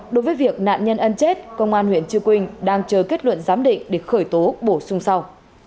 đối với việc nạn nhân ân chết công an huyện chư quynh đang chờ kết luận giám định để khởi tố bổ sung sau